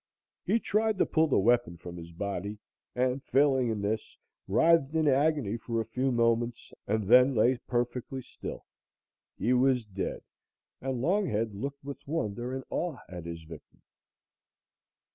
He tried to pull the weapon from his body, and failing in this, writhed in agony for a few moments and then lay perfectly still. He was dead, and Longhead looked with wonder and awe at his victim.